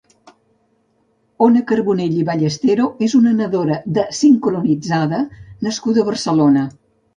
Ona Carbonell i Ballestero és una nadadora de sincronitzada nascuda a Barcelona.